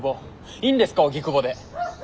いいんですか荻窪で。